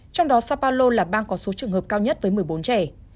trong đó sao paulo là bang có số trường hợp cao nhất với một mươi bốn trẻ